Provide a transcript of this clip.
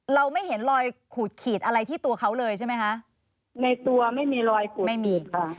เราไม่เห็นรอยขูดขีดอะไรที่ตัวเขาเลยใช่ไหมคะในตัวไม่มีรอยขูดไม่มีค่ะ